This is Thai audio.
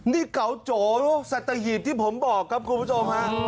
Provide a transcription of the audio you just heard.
นี่เก๋าโจสัตหีบที่ผมบอกครับคุณผู้ชมฮะ